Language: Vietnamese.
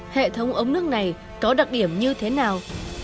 hệ thống ống nước này có đặc điểm như thế nào